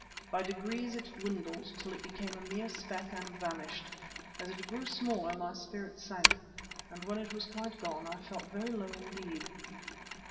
By degrees it dwindled till it became a mere speck and vanished. As it grew smaller my spirits sank, and when it was quite gone, I felt very low indeed.